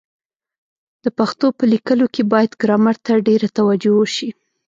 د پښتو په لیکلو کي بايد ګرامر ته ډېره توجه وسي.